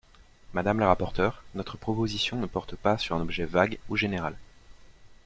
Madame la rapporteure, notre proposition ne porte pas sur un objet vague ou général.